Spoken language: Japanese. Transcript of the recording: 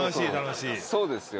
そうですよ。